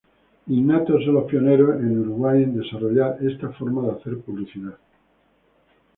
Innato son los pioneros en Uruguay en desarrollar esta forma de hacer publicidad.